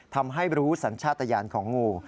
ทำให้รู้สัญชาติยานของงู